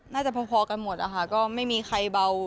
น่าจะพอกันหมดอะค่ะก็ไม่มีใครเบา